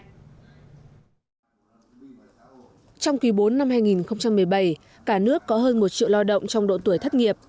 trong quý bốn năm hai nghìn một mươi bảy cả nước có hơn một triệu lao động trong độ tuổi thất nghiệp